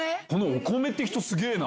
おこめって人すげぇな。